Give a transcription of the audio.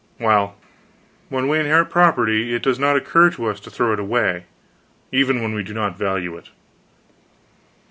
Well, when we inherit property, it does not occur to us to throw it away, even when we do not value it.